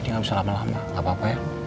ya tapi gak bisa lama lama gak apa apa ya